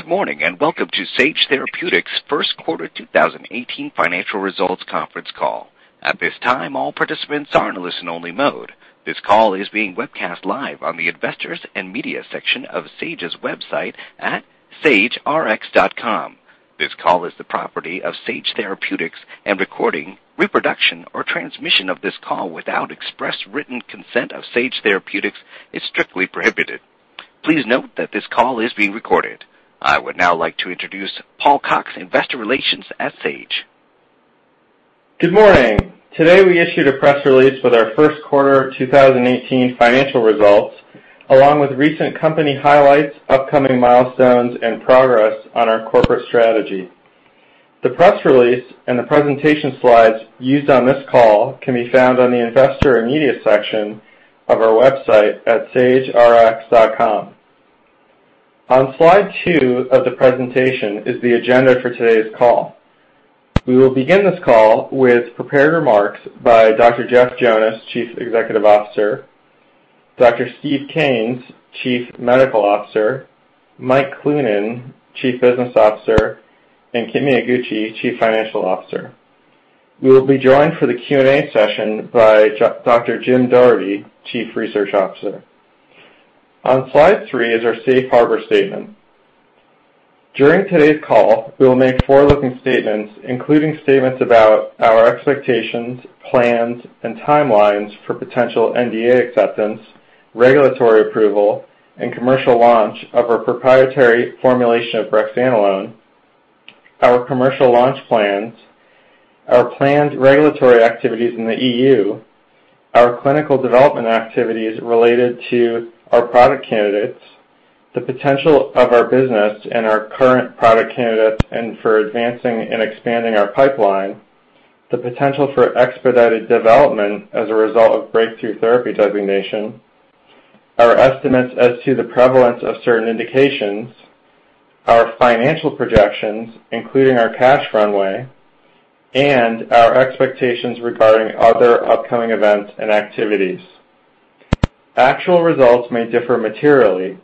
Good morning, and welcome to Sage Therapeutics' first quarter 2018 financial results conference call. At this time, all participants are in listen only mode. This call is being webcast live on the investors and media section of sagerx.com. This call is the property of Sage Therapeutics, and recording, reproduction or transmission of this call without express written consent of Sage Therapeutics is strictly prohibited. Please note that this call is being recorded. I would now like to introduce Paul Cox, investor relations at Sage. Good morning. Today, we issued a press release with our first quarter 2018 financial results, along with recent company highlights, upcoming milestones, and progress on our corporate strategy. The press release and the presentation slides used on this call can be found on the investors and media section of our website at sagerx.com. On slide two of the presentation is the agenda for today's call. We will begin this call with prepared remarks by Dr. Jeff Jonas, Chief Executive Officer, Dr. Stephen Kanes, Chief Medical Officer, Mike Cloonan, Chief Business Officer, and Kimi Iguchi, Chief Financial Officer. We will be joined for the Q&A session by Dr. Jim Doherty, Chief Research Officer. On slide three is our safe harbor statement. During today's call, we will make forward-looking statements, including statements about our expectations, plans, and timelines for potential NDA acceptance, regulatory approval, and commercial launch of our proprietary formulation of brexanolone, our commercial launch plans, our planned regulatory activities in the EU, our clinical development activities related to our product candidates, the potential of our business and our current product candidates, and for advancing and expanding our pipeline, the potential for expedited development as a result of breakthrough therapy designation, our estimates as to the prevalence of certain indications, our financial projections, including our cash runway, and our expectations regarding other upcoming events and activities. Actual results may differ materially.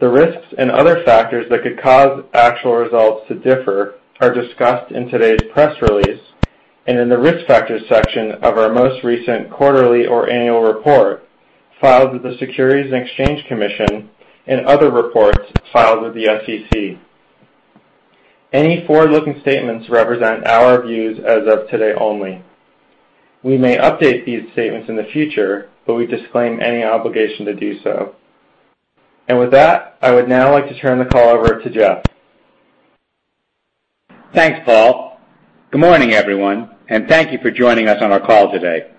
The risks and other factors that could cause actual results to differ are discussed in today's press release, and in the Risk Factors section of our most recent quarterly or annual report filed with the Securities and Exchange Commission and other reports filed with the SEC. Any forward-looking statements represent our views as of today only. We may update these statements in the future, but we disclaim any obligation to do so. With that, I would now like to turn the call over to Jeff. Thanks, Paul. Good morning, everyone. Thank you for joining us on our call today.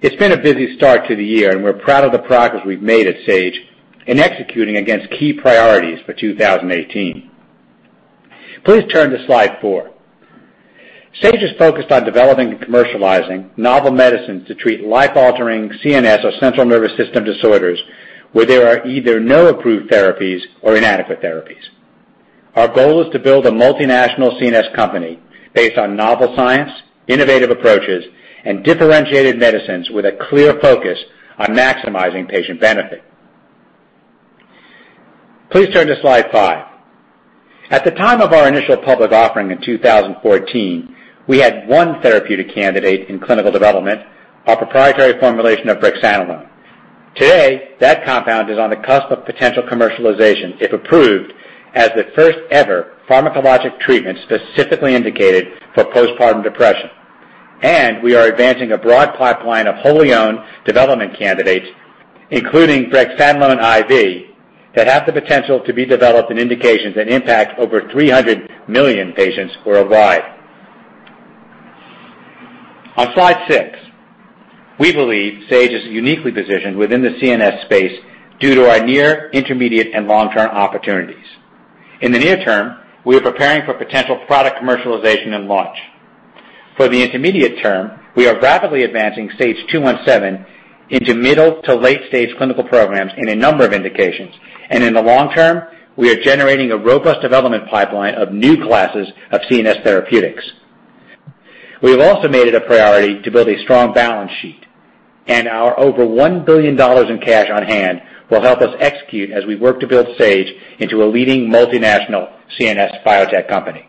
It's been a busy start to the year. We're proud of the progress we've made at Sage in executing against key priorities for 2018. Please turn to slide four. Sage is focused on developing and commercializing novel medicines to treat life-altering CNS or central nervous system disorders, where there are either no approved therapies or inadequate therapies. Our goal is to build a multinational CNS company based on novel science, innovative approaches, and differentiated medicines with a clear focus on maximizing patient benefit. Please turn to slide five. At the time of our initial public offering in 2014, we had one therapeutic candidate in clinical development, our proprietary formulation of brexanolone. Today, that compound is on the cusp of potential commercialization, if approved as the first-ever pharmacologic treatment specifically indicated for postpartum depression. We are advancing a broad pipeline of wholly owned development candidates, including brexanolone IV, that have the potential to be developed in indications and impact over 300 million patients worldwide. On slide six, we believe Sage is uniquely positioned within the CNS space due to our near, intermediate, and long-term opportunities. In the near term, we are preparing for potential product commercialization and launch. For the intermediate term, we are rapidly advancing SAGE-217 into middle to late-stage clinical programs in a number of indications. In the long term, we are generating a robust development pipeline of new classes of CNS therapeutics. We have also made it a priority to build a strong balance sheet. Our over $1 billion in cash on hand will help us execute as we work to build Sage into a leading multinational CNS biotech company.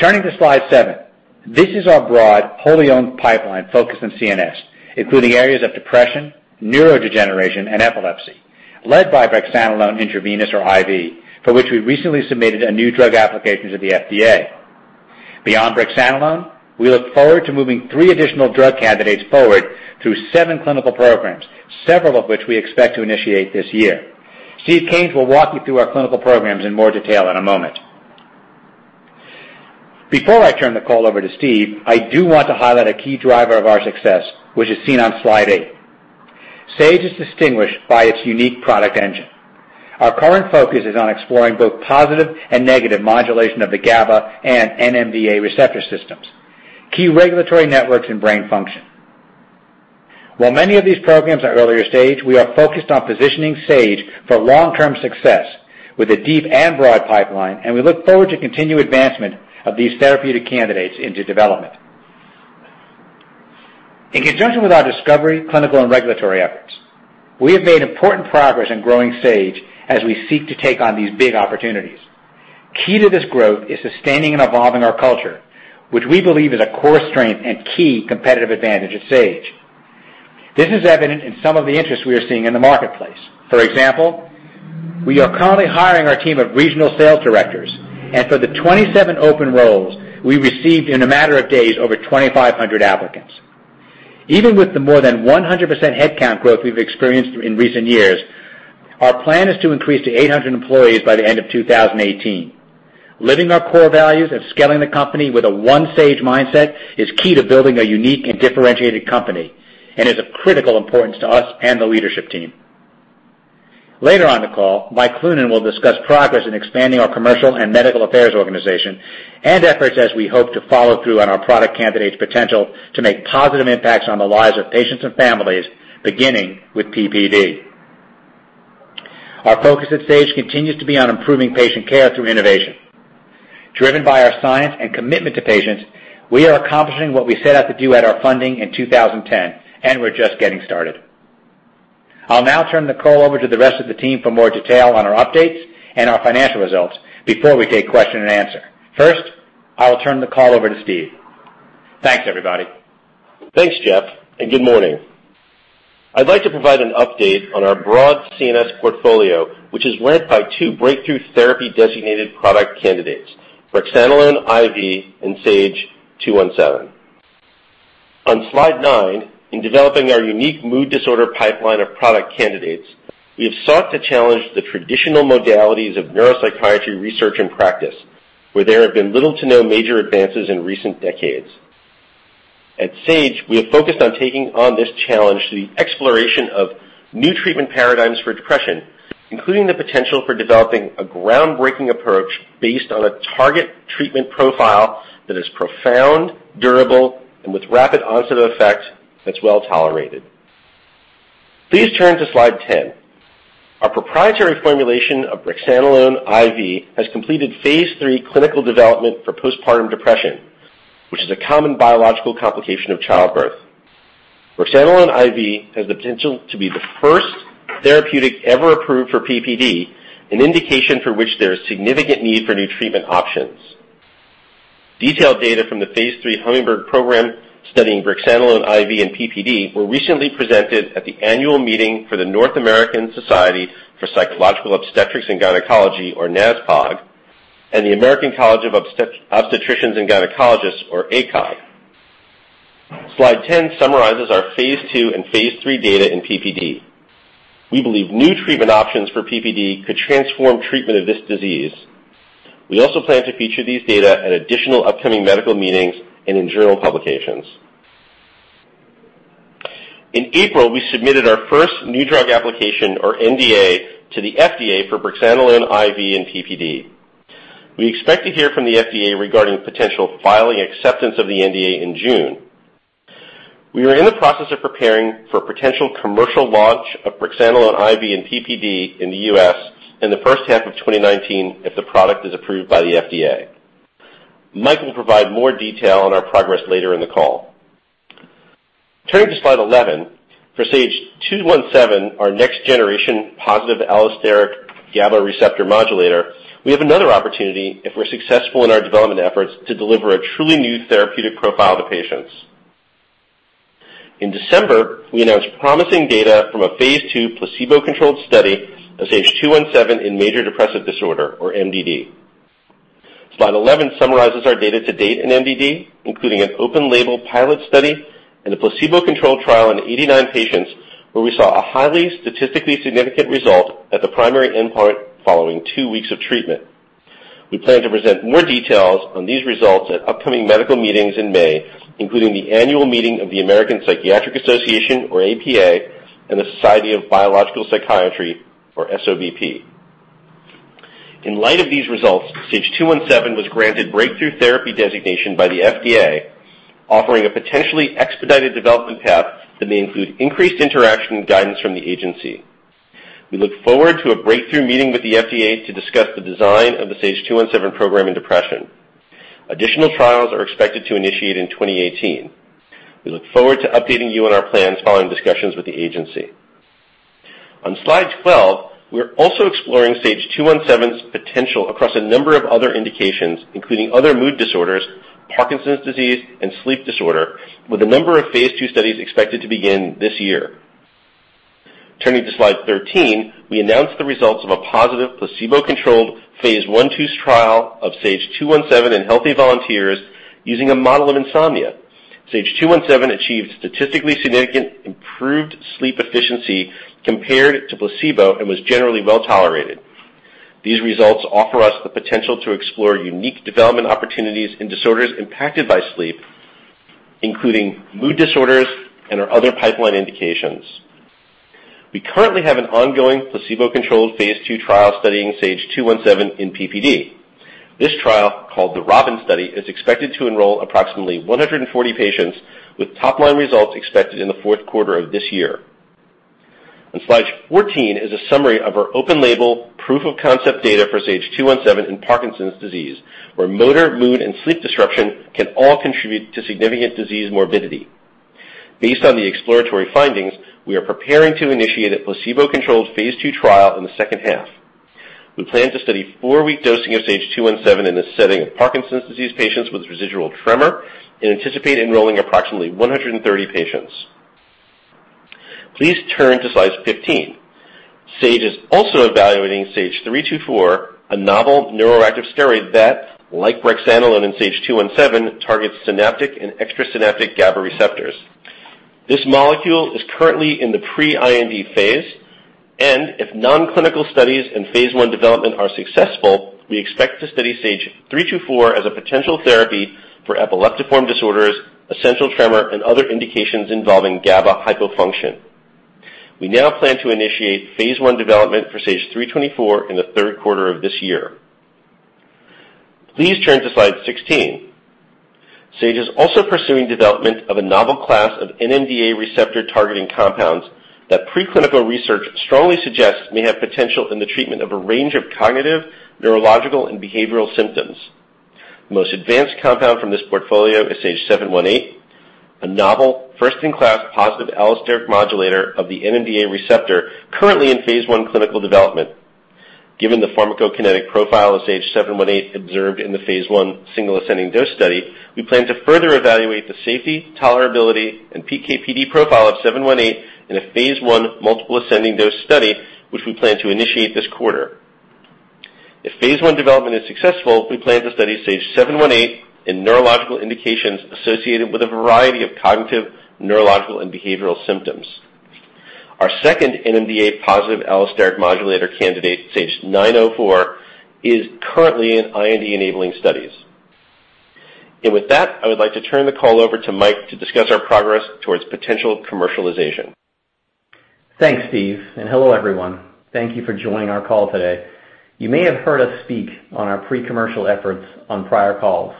Turning to slide seven. This is our broad, wholly owned pipeline focused on CNS, including areas of depression, neurodegeneration, and epilepsy, led by brexanolone intravenous or IV, for which we recently submitted a new drug application to the FDA. Beyond brexanolone, we look forward to moving three additional drug candidates forward through seven clinical programs, several of which we expect to initiate this year. Stephen Kanes will walk you through our clinical programs in more detail in a moment. Before I turn the call over to Steve, I do want to highlight a key driver of our success, which is seen on slide eight. Sage is distinguished by its unique product engine. Our current focus is on exploring both positive and negative modulation of the GABA and NMDA receptor systems, key regulatory networks, and brain function. While many of these programs are earlier stage, we are focused on positioning Sage for long-term success with a deep and broad pipeline. We look forward to continued advancement of these therapeutic candidates into development. In conjunction with our discovery, clinical, and regulatory efforts, we have made important progress in growing Sage as we seek to take on these big opportunities. Key to this growth is sustaining and evolving our culture, which we believe is a core strength and key competitive advantage at Sage. This is evident in some of the interest we are seeing in the marketplace. For example, we are currently hiring our team of regional sales directors. For the 27 open roles, we received, in a matter of days, over 2,500 applicants. Even with the more than 100% headcount growth we've experienced in recent years, our plan is to increase to 800 employees by the end of 2018. Living our core values and scaling the company with a One Sage mindset is key to building a unique and differentiated company, and is of critical importance to us and the leadership team. Later on the call, Mike Cloonan will discuss progress in expanding our commercial and medical affairs organization and efforts as we hope to follow through on our product candidates' potential to make positive impacts on the lives of patients and families, beginning with PPD. Our focus at Sage continues to be on improving patient care through innovation. Driven by our science and commitment to patients, we are accomplishing what we set out to do at our funding in 2010. We're just getting started. I'll now turn the call over to the rest of the team for more detail on our updates and our financial results before we take question and answer. First, I will turn the call over to Stephen. Thanks, everybody. Thanks, Jeff. Good morning. I'd like to provide an update on our broad CNS portfolio, which is led by two breakthrough therapy-designated product candidates, brexanolone IV and SAGE-217. On slide nine, in developing our unique mood disorder pipeline of product candidates, we have sought to challenge the traditional modalities of neuropsychiatry research and practice, where there have been little to no major advances in recent decades. At Sage, we have focused on taking on this challenge through the exploration of new treatment paradigms for depression, including the potential for developing a groundbreaking approach based on a target treatment profile that is profound, durable, and with rapid onset of effect that's well-tolerated. Please turn to Slide 10. Our proprietary formulation of brexanolone IV has completed phase III clinical development for postpartum depression, which is a common biological complication of childbirth. brexanolone IV has the potential to be the first therapeutic ever approved for PPD, an indication for which there is significant need for new treatment options. Detailed data from the phase III Hummingbird program studying brexanolone IV in PPD were recently presented at the annual meeting for the North American Society for Psychosocial Obstetrics and Gynecology, or NASPOG, and the American College of Obstetricians and Gynecologists, or ACOG. Slide 10 summarizes our phase II and phase III data in PPD. We believe new treatment options for PPD could transform treatment of this disease. We also plan to feature these data at additional upcoming medical meetings and in journal publications. In April, we submitted our first new drug application, or NDA, to the FDA for brexanolone IV and PPD. We expect to hear from the FDA regarding potential filing acceptance of the NDA in June. We are in the process of preparing for potential commercial launch of brexanolone IV and PPD in the U.S. in the first half of 2019 if the product is approved by the FDA. Mike will provide more detail on our progress later in the call. Turning to Slide 11, for SAGE-217, our next-generation positive allosteric GABA receptor modulator, we have another opportunity if we're successful in our development efforts to deliver a truly new therapeutic profile to patients. In December, we announced promising data from a phase II placebo-controlled study of SAGE-217 in major depressive disorder, or MDD. Slide 11 summarizes our data to date in MDD, including an open-label pilot study and a placebo-controlled trial in 89 patients, where we saw a highly statistically significant result at the primary endpoint following two weeks of treatment. We plan to present more details on these results at upcoming medical meetings in May, including the annual meeting of the American Psychiatric Association, or APA, and the Society of Biological Psychiatry, or SOBP. In light of these results, SAGE-217 was granted breakthrough therapy designation by the FDA, offering a potentially expedited development path that may include increased interaction and guidance from the agency. We look forward to a breakthrough meeting with the FDA to discuss the design of the SAGE-217 program in depression. Additional trials are expected to initiate in 2018. We look forward to updating you on our plans following discussions with the agency. On Slide 12, we are also exploring SAGE-217's potential across a number of other indications, including other mood disorders, Parkinson's disease, and sleep disorder, with a number of phase II studies expected to begin this year. Turning to Slide 13, we announced the results of a positive placebo-controlled phase I/II trial of SAGE-217 in healthy volunteers using a model of insomnia. SAGE-217 achieved statistically significant improved sleep efficiency compared to placebo and was generally well-tolerated. These results offer us the potential to explore unique development opportunities in disorders impacted by sleep, including mood disorders and our other pipeline indications. We currently have an ongoing placebo-controlled phase II trial studying SAGE-217 in PPD. This trial, called the ROBIN Study, is expected to enroll approximately 140 patients with top-line results expected in the fourth quarter of this year. Slide 14 is a summary of our open-label proof of concept data for SAGE-217 in Parkinson's disease, where motor, mood, and sleep disruption can all contribute to significant disease morbidity. Based on the exploratory findings, we are preparing to initiate a placebo-controlled phase II trial in the second half. We plan to study four-week dosing of SAGE-217 in the setting of Parkinson's disease patients with residual tremor and anticipate enrolling approximately 130 patients. Please turn to Slide 15. Sage is also evaluating SAGE-324, a novel neuroactive steroid that, like brexanolone and SAGE-217, targets synaptic and extrasynaptic GABA receptors. This molecule is currently in the pre-IND phase, and if non-clinical studies and phase I development are successful, we expect to study SAGE-324 as a potential therapy for epileptic form disorders, essential tremor, and other indications involving GABA hypofunction. We now plan to initiate phase I development for SAGE-324 in the third quarter of this year. Please turn to Slide 16. Sage is also pursuing development of a novel class of NMDA receptor-targeting compounds that preclinical research strongly suggests may have potential in the treatment of a range of cognitive, neurological, and behavioral symptoms. The most advanced compound from this portfolio is SAGE-718, a novel first-in-class positive allosteric modulator of the NMDA receptor currently in phase I clinical development. Given the pharmacokinetic profile of SAGE-718 observed in the phase I single-ascending dose study, we plan to further evaluate the safety, tolerability, and PK/PD profile of 718 in a phase I multiple-ascending dose study, which we plan to initiate this quarter. If phase I development is successful, we plan to study SAGE-718 in neurological indications associated with a variety of cognitive, neurological, and behavioral symptoms. Our second NMDA positive allosteric modulator candidate, SAGE-904, is currently in IND-enabling studies. With that, I would like to turn the call over to Mike to discuss our progress towards potential commercialization. Thanks, Steve, and hello, everyone. Thank you for joining our call today. You may have heard us speak on our pre-commercial efforts on prior calls,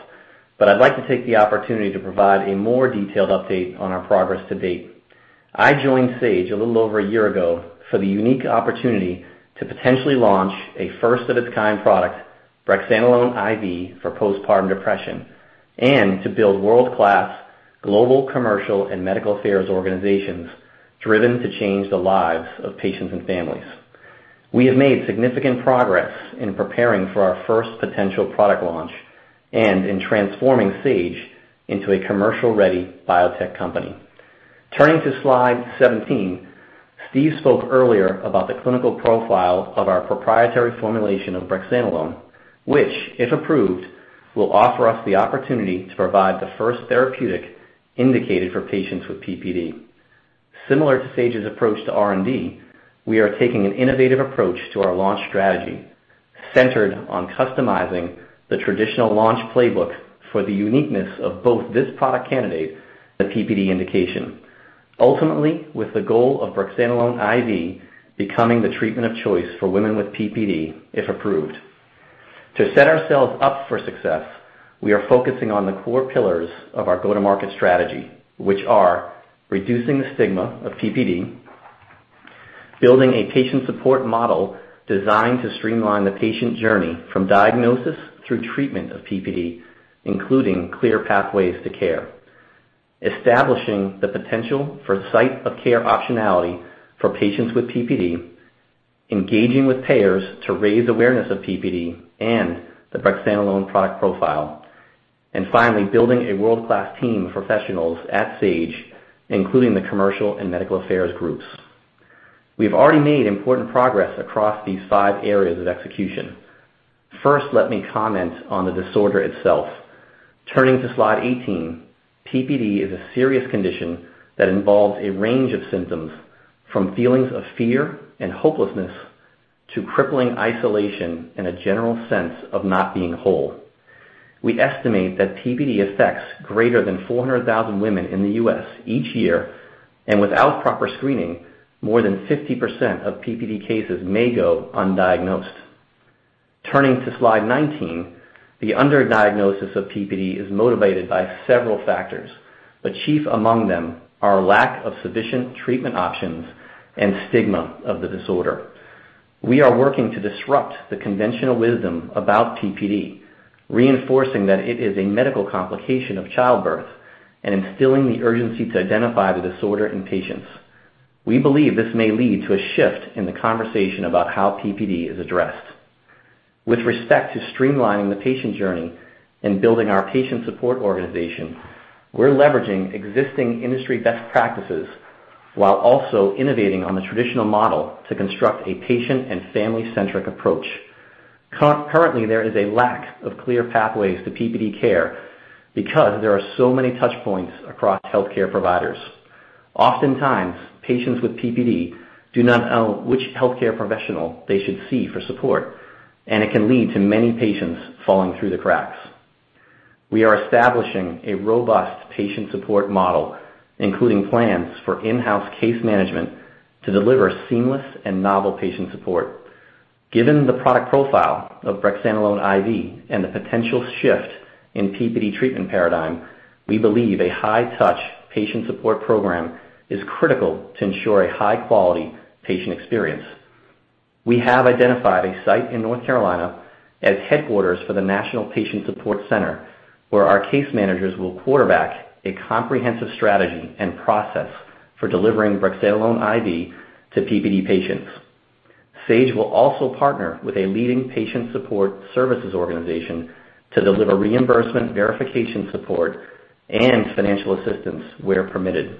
but I'd like to take the opportunity to provide a more detailed update on our progress to date. I joined Sage a little over a year ago for the unique opportunity to potentially launch a first-of-its-kind product, brexanolone IV, for postpartum depression, and to build world-class global commercial and medical affairs organizations driven to change the lives of patients and families. We have made significant progress in preparing for our first potential product launch and in transforming Sage into a commercial-ready biotech company. Turning to Slide 17, Steve spoke earlier about the clinical profile of our proprietary formulation of brexanolone, which, if approved, will offer us the opportunity to provide the first therapeutic indicated for patients with PPD. Similar to Sage's approach to R&D, we are taking an innovative approach to our launch strategy, centered on customizing the traditional launch playbook for the uniqueness of both this product candidate, the PPD indication. Ultimately, with the goal of brexanolone IV becoming the treatment of choice for women with PPD, if approved. To set ourselves up for success, we are focusing on the core pillars of our go-to-market strategy, which are reducing the stigma of PPD, building a patient support model designed to streamline the patient journey from diagnosis through treatment of PPD, including clear pathways to care, establishing the potential for site-of-care optionality for patients with PPD, engaging with payers to raise awareness of PPD and the brexanolone product profile, and finally, building a world-class team of professionals at Sage, including the commercial and medical affairs groups. We've already made important progress across these five areas of execution. First, let me comment on the disorder itself. Turning to Slide 18, PPD is a serious condition that involves a range of symptoms from feelings of fear and hopelessness to crippling isolation and a general sense of not being whole. We estimate that PPD affects greater than 400,000 women in the U.S. each year, and without proper screening, more than 50% of PPD cases may go undiagnosed. Turning to Slide 19, the under-diagnosis of PPD is motivated by several factors, but chief among them are lack of sufficient treatment options and stigma of the disorder. We are working to disrupt the conventional wisdom about PPD, reinforcing that it is a medical complication of childbirth and instilling the urgency to identify the disorder in patients. We believe this may lead to a shift in the conversation about how PPD is addressed. With respect to streamlining the patient journey and building our patient support organization, we're leveraging existing industry best practices while also innovating on the traditional model to construct a patient and family-centric approach. Currently, there is a lack of clear pathways to PPD care because there are so many touchpoints across healthcare providers. Oftentimes, patients with PPD do not know which healthcare professional they should see for support, and it can lead to many patients falling through the cracks. We are establishing a robust patient support model, including plans for in-house case management to deliver seamless and novel patient support. Given the product profile of brexanolone IV and the potential shift in PPD treatment paradigm, we believe a high-touch patient support program is critical to ensure a high-quality patient experience. We have identified a site in North Carolina as headquarters for the National Patient Support Center, where our case managers will quarterback a comprehensive strategy and process for delivering brexanolone IV to PPD patients. Sage will also partner with a leading patient support services organization to deliver reimbursement verification support and financial assistance where permitted.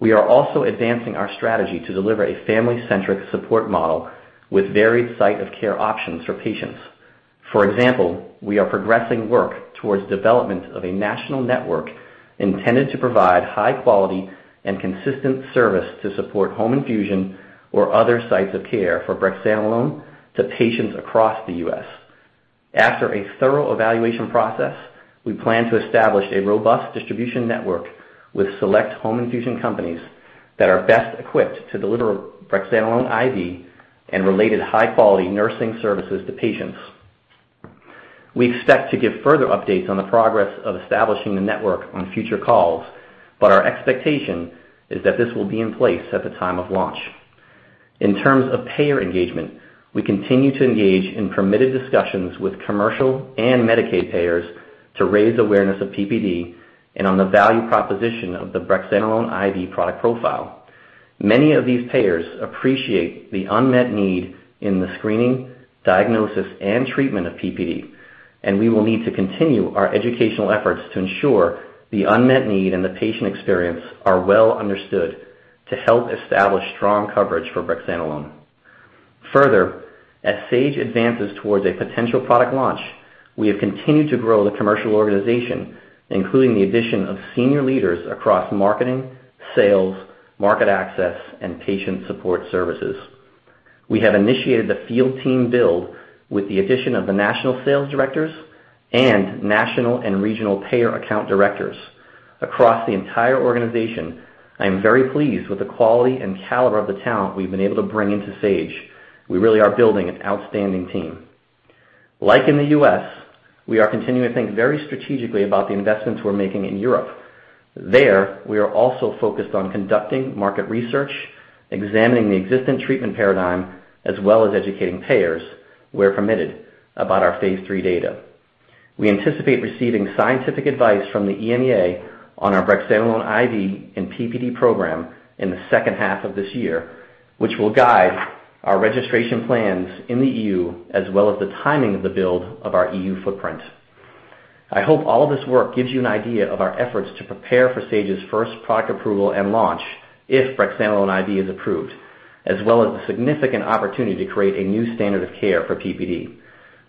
We are also advancing our strategy to deliver a family-centric support model with varied site of care options for patients. For example, we are progressing work towards development of a national network intended to provide high quality and consistent service to support home infusion or other sites of care for brexanolone to patients across the U.S. After a thorough evaluation process, we plan to establish a robust distribution network with select home infusion companies that are best equipped to deliver brexanolone IV and related high-quality nursing services to patients. We expect to give further updates on the progress of establishing the network on future calls, our expectation is that this will be in place at the time of launch. In terms of payer engagement, we continue to engage in permitted discussions with commercial and Medicaid payers to raise awareness of PPD and on the value proposition of the brexanolone IV product profile. Many of these payers appreciate the unmet need in the screening, diagnosis, and treatment of PPD, and we will need to continue our educational efforts to ensure the unmet need and the patient experience are well understood to help establish strong coverage for brexanolone. Further, as Sage advances towards a potential product launch, we have continued to grow the commercial organization, including the addition of senior leaders across marketing, sales, market access, and patient support services. We have initiated the field team build with the addition of the national sales directors and national and regional payer account directors. Across the entire organization, I am very pleased with the quality and caliber of the talent we've been able to bring into Sage. We really are building an outstanding team. Like in the U.S., we are continuing to think very strategically about the investments we're making in Europe. There, we are also focused on conducting market research, examining the existing treatment paradigm, as well as educating payers, where permitted, about our phase III data. We anticipate receiving scientific advice from the EMA on our brexanolone IV and PPD program in the second half of this year, which will guide our registration plans in the EU, as well as the timing of the build of our EU footprint. I hope all of this work gives you an idea of our efforts to prepare for Sage's first product approval and launch if brexanolone IV is approved, as well as the significant opportunity to create a new standard of care for PPD.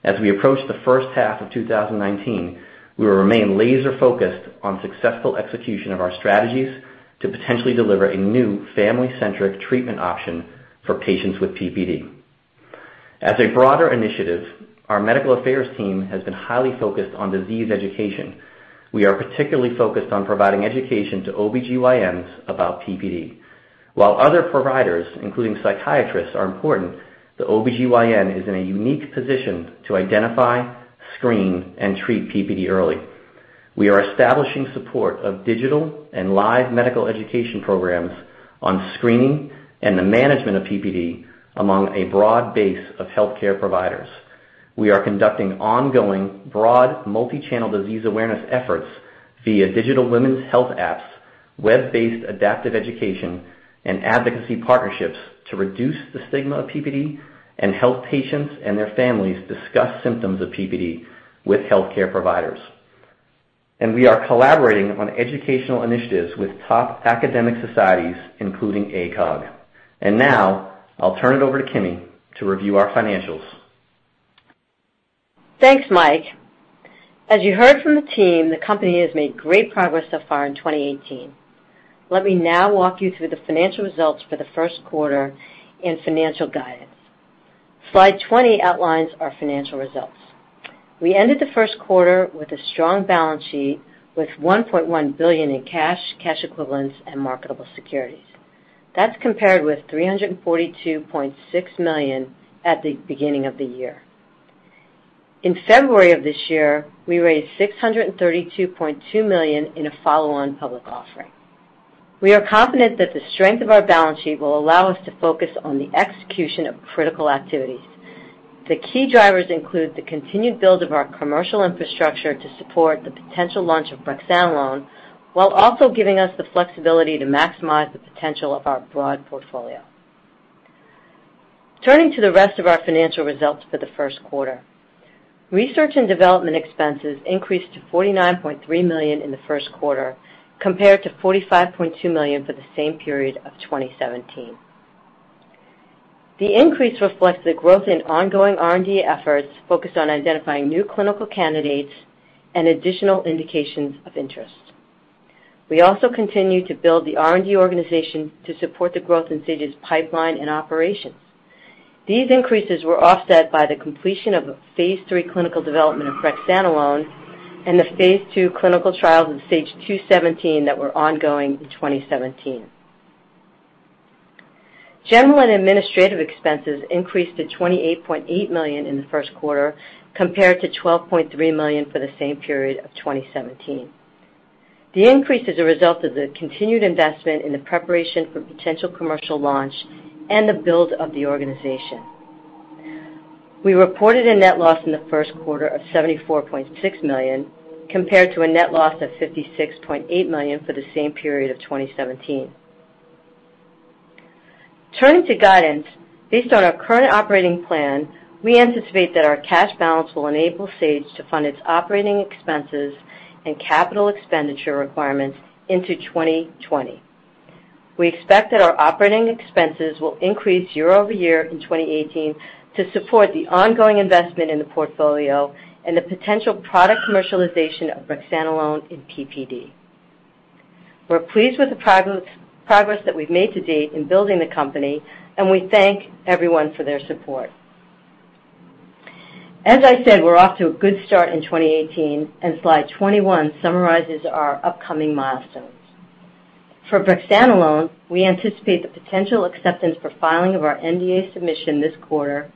As we approach the first half of 2019, we will remain laser-focused on successful execution of our strategies to potentially deliver a new family-centric treatment option for patients with PPD. As a broader initiative, our medical affairs team has been highly focused on disease education. We are particularly focused on providing education to OB-GYNs about PPD. While other providers, including psychiatrists, are important, the OB-GYN is in a unique position to identify, screen, and treat PPD early. We are establishing support of digital and live medical education programs on screening and the management of PPD among a broad base of healthcare providers. We are conducting ongoing, broad, multi-channel disease awareness efforts via digital women's health apps, web-based adaptive education, and advocacy partnerships to reduce the stigma of PPD and help patients and their families discuss symptoms of PPD with healthcare providers. We are collaborating on educational initiatives with top academic societies, including ACOG. Now, I'll turn it over to Kimi to review our financials. Thanks, Mike. As you heard from the team, the company has made great progress so far in 2018. Let me now walk you through the financial results for the first quarter and financial guidance. Slide 20 outlines our financial results. We ended the first quarter with a strong balance sheet with $1.1 billion in cash equivalents, and marketable securities. That's compared with $342.6 million at the beginning of the year. In February of this year, we raised $632.2 million in a follow-on public offering. We are confident that the strength of our balance sheet will allow us to focus on the execution of critical activities. The key drivers include the continued build of our commercial infrastructure to support the potential launch of brexanolone, while also giving us the flexibility to maximize the potential of our broad portfolio. Turning to the rest of our financial results for the first quarter. Research and development expenses increased to $49.3 million in the first quarter, compared to $45.2 million for the same period of 2017. The increase reflects the growth in ongoing R&D efforts focused on identifying new clinical candidates and additional indications of interest. We also continue to build the R&D organization to support the growth in Sage's pipeline and operations. These increases were offset by the completion of phase III clinical development of brexanolone and the phase II clinical trials of SAGE-217 that were ongoing in 2017. General and administrative expenses increased to $28.8 million in the first quarter compared to $12.3 million for the same period of 2017. The increase is a result of the continued investment in the preparation for potential commercial launch and the build of the organization. We reported a net loss in the first quarter of $74.6 million compared to a net loss of $56.8 million for the same period of 2017. Turning to guidance, based on our current operating plan, we anticipate that our cash balance will enable Sage to fund its operating expenses and capital expenditure requirements into 2020. We expect that our operating expenses will increase year-over-year in 2018 to support the ongoing investment in the portfolio and the potential product commercialization of brexanolone in PPD. We're pleased with the progress that we've made to date in building the company. We thank everyone for their support. As I said, we're off to a good start in 2018. Slide 21 summarizes our upcoming milestones. For brexanolone, we anticipate the potential acceptance for filing of our NDA submission this quarter.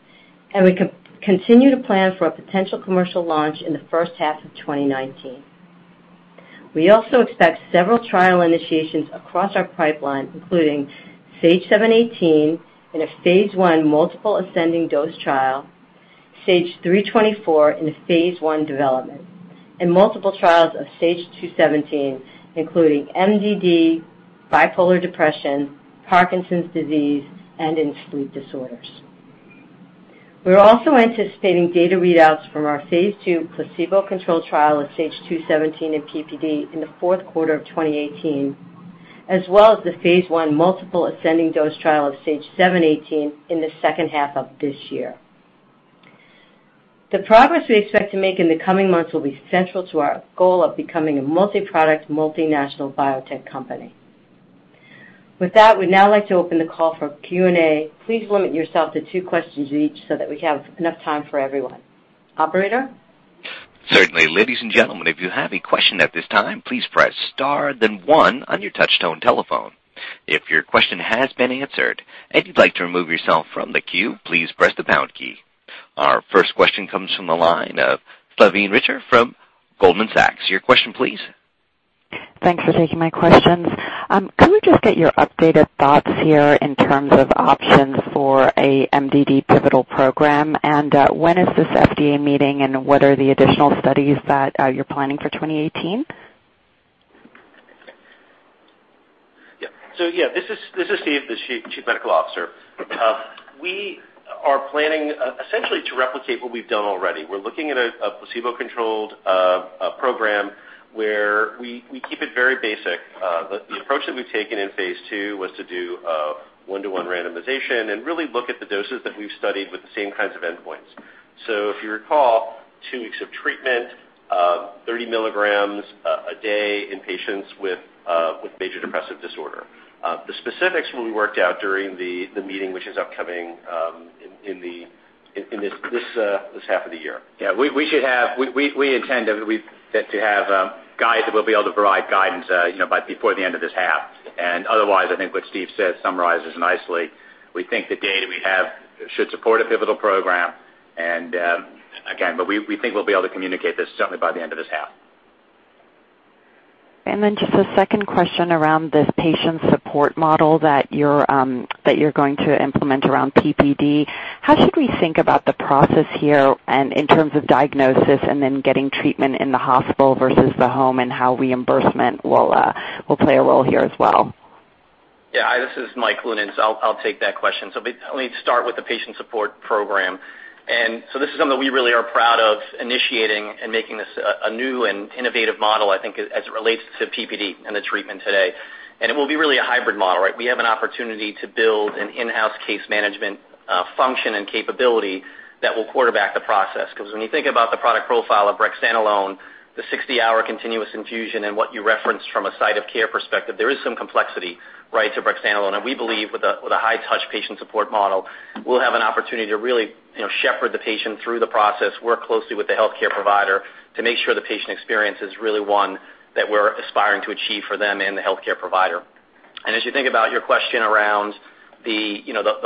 We continue to plan for a potential commercial launch in the first half of 2019. We also expect several trial initiations across our pipeline, including SAGE-718 in a phase I multiple ascending dose trial, SAGE-324 in a phase I development. Multiple trials of SAGE-217, including MDD, bipolar depression, Parkinson's disease, and in sleep disorders. We're also anticipating data readouts from our phase II placebo-controlled trial of SAGE-217 in PPD in the fourth quarter of 2018, as well as the phase I multiple ascending dose trial of SAGE-718 in the second half of this year. The progress we expect to make in the coming months will be central to our goal of becoming a multi-product, multinational biotech company. With that, we'd now like to open the call for Q&A. Please limit yourself to two questions each so that we have enough time for everyone. Operator? Certainly. Ladies and gentlemen, if you have a question at this time, please press star then one on your touch tone telephone. If your question has been answered and you'd like to remove yourself from the queue, please press the pound key. Our first question comes from the line of Salveen Richter from Goldman Sachs. Your question please. Thanks for taking my questions. Could we just get your updated thoughts here in terms of options for a MDD pivotal program? When is this FDA meeting, and what are the additional studies that you're planning for 2018? Yeah, this is Steve, the Chief Medical Officer. We are planning essentially to replicate what we've done already. We're looking at a placebo-controlled program where we keep it very basic. The approach that we've taken in phase II was to do a one-to-one randomization and really look at the doses that we've studied with the same kinds of endpoints. If you recall, 2 weeks of treatment, 30 milligrams a day in patients with major depressive disorder. The specifics will be worked out during the meeting, which is upcoming in this half of the year. Yeah. We intend that to have guys that will be able to provide guidance before the end of this half. Otherwise, I think what Steve said summarizes nicely. We think the data we have should support a pivotal program. Again, we think we'll be able to communicate this certainly by the end of this half. Just a second question around this patient support model that you're going to implement around PPD. How should we think about the process here and in terms of diagnosis and then getting treatment in the hospital versus the home and how reimbursement will play a role here as well? Yeah. Hi, this is Mike Cloonan. I'll take that question. Let me start with the patient support program. This is something we really are proud of initiating and making this a new and innovative model, I think as it relates to PPD and the treatment today. It will be really a hybrid model, right? We have an opportunity to build an in-house case management function and capability that will quarterback the process. Because when you think about the product profile of brexanolone, the 60-hour continuous infusion and what you referenced from a site of care perspective, there is some complexity to brexanolone. We believe with a high-touch patient support model, we'll have an opportunity to really shepherd the patient through the process, work closely with the healthcare provider to make sure the patient experience is really one that we're aspiring to achieve for them and the healthcare provider. As you think about your question around the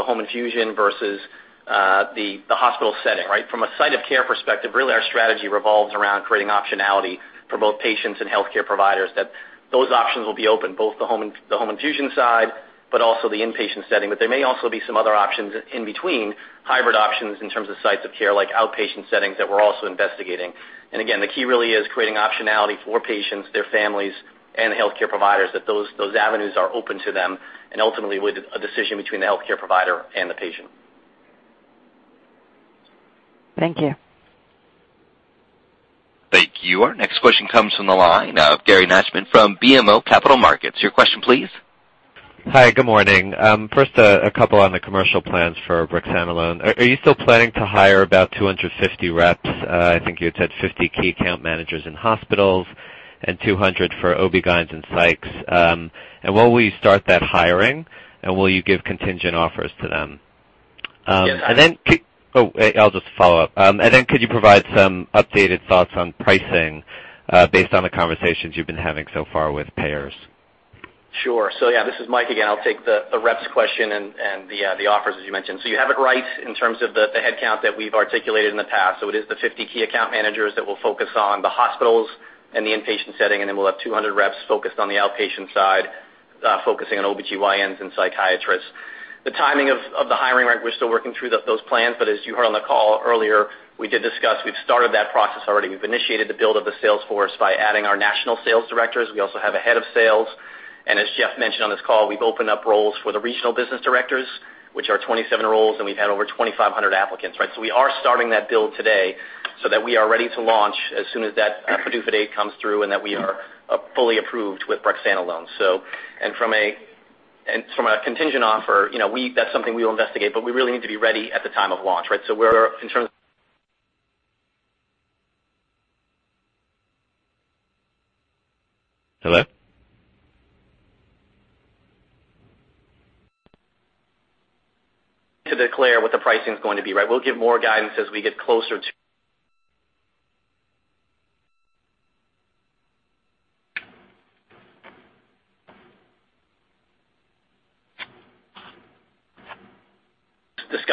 home infusion versus the hospital setting, right? From a site of care perspective, really our strategy revolves around creating optionality for both patients and healthcare providers that those options will be open, both the home infusion side, but also the inpatient setting. There may also be some other options in between, hybrid options in terms of sites of care like outpatient settings that we're also investigating. Again, the key really is creating optionality for patients, their families, and healthcare providers that those avenues are open to them, and ultimately with a decision between the healthcare provider and the patient. Thank you. Thank you. Our next question comes from the line of Gary Nachman from BMO Capital Markets. Your question please. Hi, good morning. First, a couple on the commercial plans for brexanolone. Are you still planning to hire about 250 reps? I think you had said 50 key account managers in hospitals and 200 for OB-GYNs and psychs. Will we start that hiring, and will you give contingent offers to them? I'll just follow up. Could you provide some updated thoughts on pricing, based on the conversations you've been having so far with payers? Sure. Yeah, this is Mike again. I'll take the reps question and the offers, as you mentioned. You have it right in terms of the headcount that we've articulated in the past. It is the 50 key account managers that will focus on the hospitals and the inpatient setting, and then we'll have 200 reps focused on the outpatient side focusing on OB-GYNs and psychiatrists. The timing of the hiring, we're still working through those plans, but as you heard on the call earlier, we did discuss, we've started that process already. We've initiated the build of the sales force by adding our national sales directors. We also have a head of sales. As Jeff mentioned on this call, we've opened up roles for the regional business directors, which are 27 roles, and we've had over 2,500 applicants, right? We are starting that build today so that we are ready to launch as soon as that PDUFA date comes through and that we are fully approved with brexanolone. From a contingent offer, that's something we will investigate, but we really need to be ready at the time of launch, right? Hello? To declare what the pricing's going to be, right? We'll give more guidance as we get closer to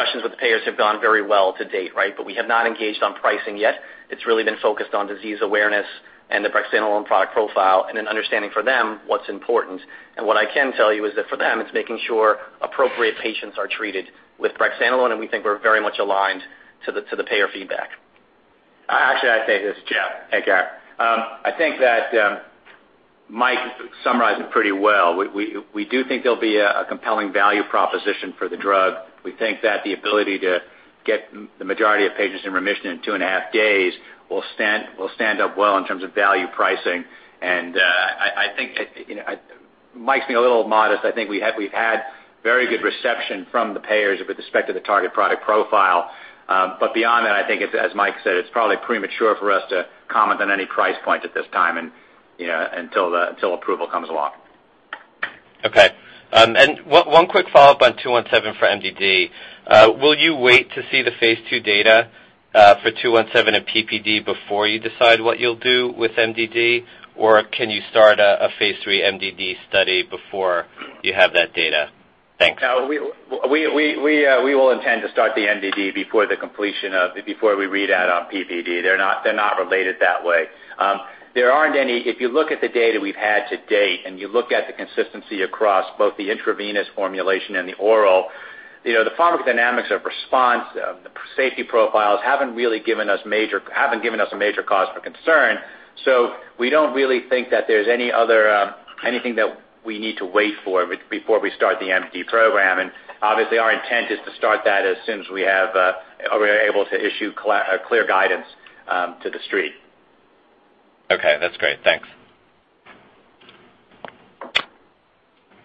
Discussions with the payers have gone very well to date, right? We have not engaged on pricing yet. It's really been focused on disease awareness and the brexanolone product profile and then understanding for them what's important. What I can tell you is that for them, it's making sure appropriate patients are treated with brexanolone, and we think we're very much aligned to the payer feedback. Actually, I say this, Jeff. Hey, Gary. I think that Mike summarized it pretty well. We do think there'll be a compelling value proposition for the drug. We think that the ability to get the majority of patients in remission in two and a half days will stand up well in terms of value pricing. I think Mike's being a little modest. I think we've had very good reception from the payers with respect to the target product profile. Beyond that, I think, as Mike said, it's probably premature for us to comment on any price point at this time until approval comes along. Okay. One quick follow-up on 217 for MDD. Will you wait to see the phase II data for 217 and PPD before you decide what you'll do with MDD, or can you start a phase III MDD study before you have that data? Thanks. We will intend to start the MDD before we read out on PPD. They're not related that way. If you look at the data we've had to date, you look at the consistency across both the intravenous formulation and the oral, the pharmacodynamics of response, the safety profiles haven't given us a major cause for concern. We don't really think that there's anything that we need to wait for before we start the MDD program. Obviously our intent is to start that as soon as we are able to issue clear guidance to the street. Okay, that's great. Thanks.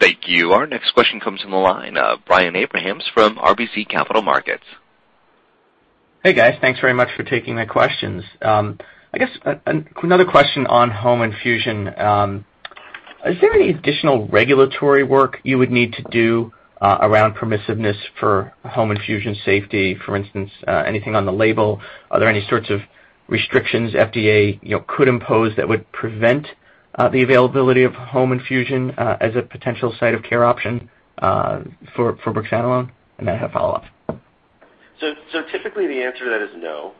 Thank you. Our next question comes from the line, Brian Abrahams from RBC Capital Markets. Hey, guys. Thanks very much for taking my questions. I guess another question on home infusion. Is there any additional regulatory work you would need to do around permissiveness for home infusion safety? For instance, anything on the label, are there any sorts of restrictions FDA could impose that would prevent the availability of home infusion as a potential site of care option for brexanolone? I have a follow-up. Typically the answer to that is no.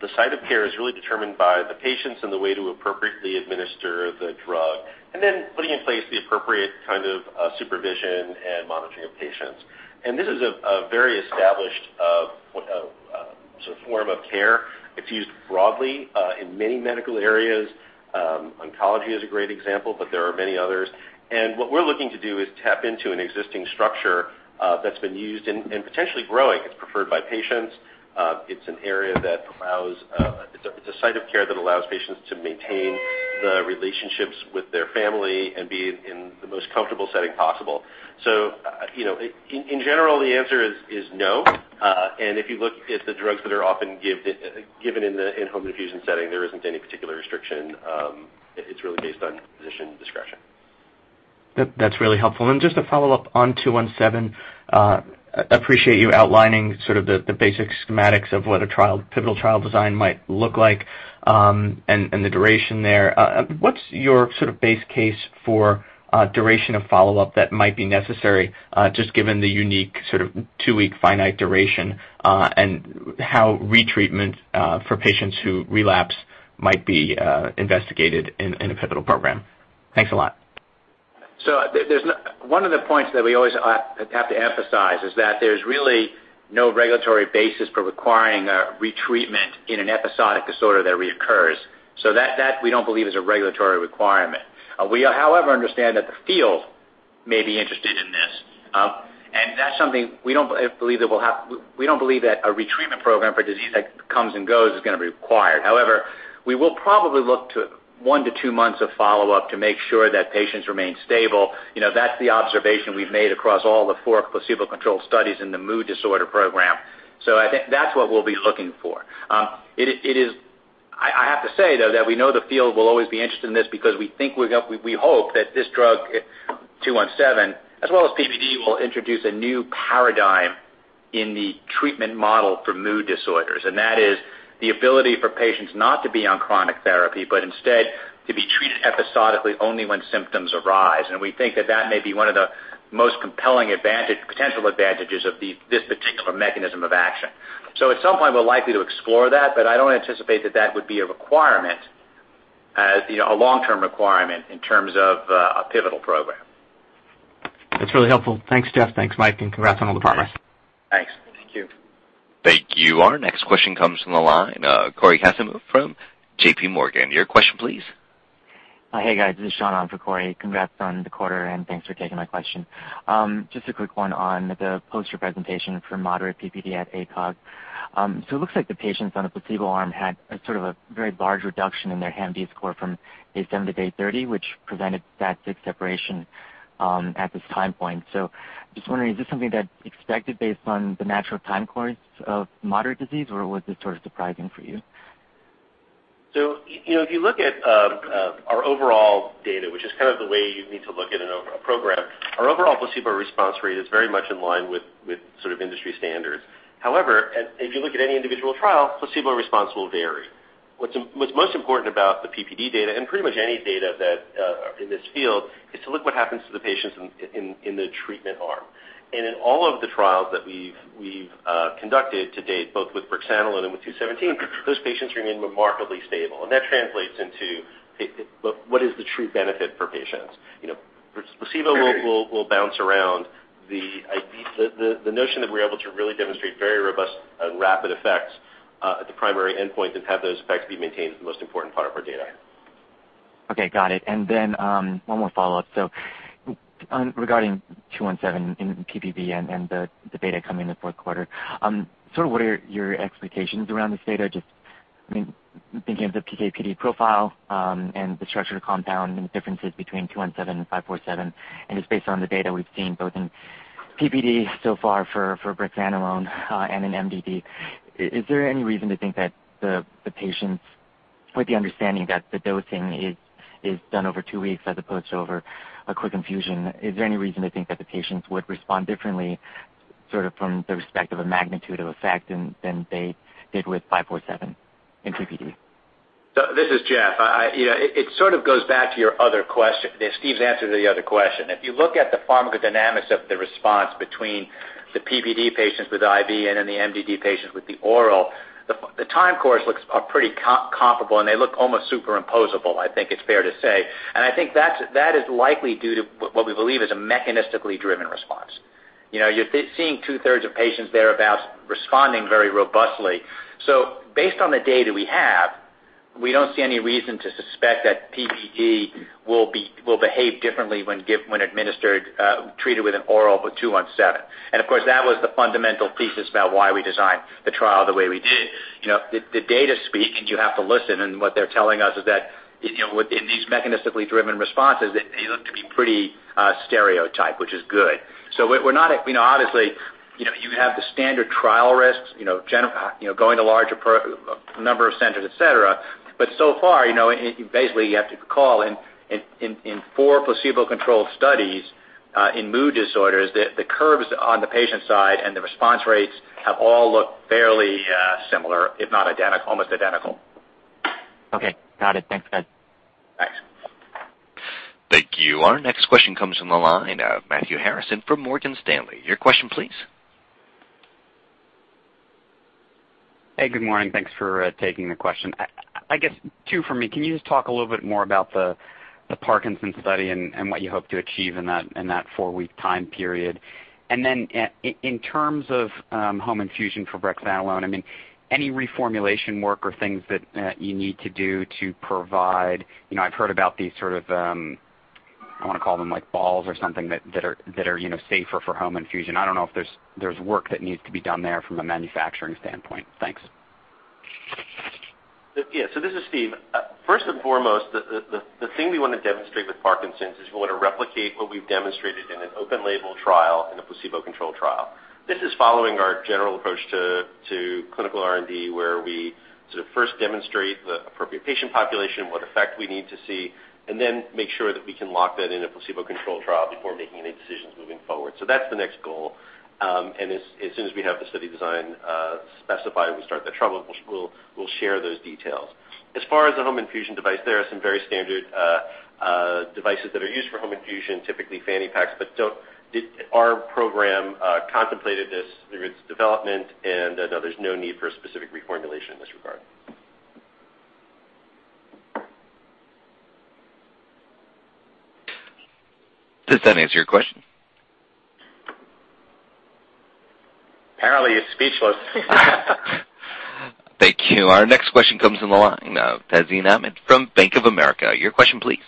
The site of care is really determined by the patients and the way to appropriately administer the drug, and then putting in place the appropriate kind of supervision and monitoring of patients. This is a very established sort of form of care. It's used broadly, in many medical areas. Oncology is a great example, there are many others. What we're looking to do is tap into an existing structure that's been used and potentially growing. It's preferred by patients. It's a site of care that allows patients to maintain the relationships with their family and be in the most comfortable setting possible. In general, the answer is no. If you look at the drugs that are often given in the in-home infusion setting, there isn't any particular restriction. It's really based on physician discretion. That's really helpful. Just a follow-up on 217. Appreciate you outlining sort of the basic schematics of what a pivotal trial design might look like, and the duration there. What's your sort of base case for duration of follow-up that might be necessary, just given the unique sort of two-week finite duration, and how retreatment for patients who relapse might be investigated in a pivotal program? Thanks a lot. One of the points that we always have to emphasize is that there's really no regulatory basis for requiring retreatment in an episodic disorder that reoccurs. That, we don't believe is a regulatory requirement. We however understand that the field may be interested in this. That's something we don't believe that a retreatment program for disease that comes and goes is going to be required. However, we will probably look to one to two months of follow-up to make sure that patients remain stable. That's the observation we've made across all the four placebo-controlled studies in the mood disorder program. I think that's what we'll be looking for. I have to say, though, that we know the field will always be interested in this because we hope that this drug, 217, as well as PPD, will introduce a new paradigm in the treatment model for mood disorders, and that is the ability for patients not to be on chronic therapy, but instead to be treated episodically only when symptoms arise. We think that that may be one of the most compelling potential advantages of this particular mechanism of action. At some point, we're likely to explore that, but I don't anticipate that would be a long-term requirement in terms of a pivotal program. That's really helpful. Thanks, Jeff. Thanks, Mike, congrats on all the progress. Thanks. Thank you. Thank you. Our next question comes from the line, Cory Kasimov from JP Morgan. Your question, please. Hey, guys. This is Sean on for Cory. Congrats on the quarter, and thanks for taking my question. Just a quick one on the poster presentation for moderate PPD at ACOG. It looks like the patients on the placebo arm had a very large reduction in their HAMD score from day seven to day 30, which presented that [this separation] at this time point. Just wondering, is this something that's expected based on the natural time course of moderate disease, or was this surprising for you? If you look at our overall data, which is kind of the way you need to look at a program, our overall placebo response rate is very much in line with industry standards. However, if you look at any individual trial, placebo response will vary. What's most important about the PPD data, and pretty much any data in this field, is to look what happens to the patients in the treatment arm. In all of the trials that we've conducted to date, both with brexanolone and with 217, those patients remain remarkably stable. That translates into what is the true benefit for patients. Placebo will bounce around. The notion that we're able to really demonstrate very robust and rapid effects at the primary endpoint and have those effects be maintained is the most important part of our data. Okay. Got it. One more follow-up. Regarding 217 in PPD and the data coming in the fourth quarter, what are your expectations around this data? Just thinking of the PK/PD profile and the structure of the compound and the differences between 217 and SAGE-547, and just based on the data we've seen both in PPD so far for brexanolone and in MDD. With the understanding that the dosing is done over two weeks as opposed to over a quick infusion, is there any reason to think that the patients would respond differently from the respect of a magnitude of effect than they did with SAGE-547 in PPD? This is Jeff. It sort of goes back to Steve's answer to the other question. If you look at the pharmacodynamics of the response between the PPD patients with IV and then the MDD patients with the oral, the time course looks pretty comparable, and they look almost superimposable, I think it's fair to say. I think that is likely due to what we believe is a mechanistically driven response. You're seeing two-thirds of patients thereabout responding very robustly. Based on the data we have, we don't see any reason to suspect that PPD will behave differently when treated with an oral 217. Of course, that was the fundamental thesis about why we designed the trial the way we did. The data speak, and you have to listen, and what they're telling us is that within these mechanistically driven responses, they look to be pretty stereotyped, which is good. Obviously, you have the standard trial risks, going to a larger number of centers, et cetera. So far, basically you have to call in four placebo-controlled studies in mood disorders, the curves on the patient side and the response rates have all looked fairly similar, if not almost identical. Okay. Got it. Thanks, guys. Thanks. Thank you. Our next question comes from the line of Matthew Harrison from Morgan Stanley. Your question, please. Hey, good morning. Thanks for taking the question. I guess two from me. Can you just talk a little bit more about the Parkinson's study and what you hope to achieve in that four-week time period? Then in terms of home infusion for brexanolone, I've heard about these sort of, I want to call them balls or something that are safer for home infusion. I don't know if there's work that needs to be done there from a manufacturing standpoint. Thanks. This is Steve. First and foremost, the thing we want to demonstrate with Parkinson's is we want to replicate what we've demonstrated in an open label trial in a placebo-controlled trial. This is following our general approach to clinical R&D, where we sort of first demonstrate the appropriate patient population, what effect we need to see, and then make sure that we can lock that in a placebo-controlled trial before making any decisions moving forward. That's the next goal. As soon as we have the study design specified and we start the trial, we'll share those details. As far as the home infusion device, there are some very standard devices that are used for home infusion, typically fanny packs. Our program contemplated this through its development, and there's no need for a specific reformulation in this regard. Did that answer your question? Apparently, he's speechless. Thank you. Our next question comes from the line of Tazeen Ahmad from Bank of America. Your question, please.